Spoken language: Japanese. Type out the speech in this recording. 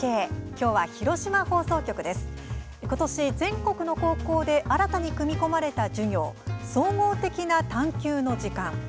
今年、全国の高校で新たに組み込まれた授業総合的な探究の時間。